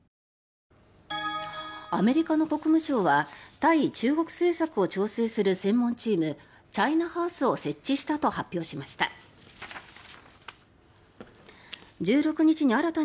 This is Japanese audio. アメリカの国務省は対中国政策を調整する専門チームチャイナ・ハウスを設置したと発表しました。